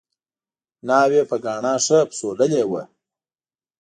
ناوې په ګاڼه ښه پسوللې وه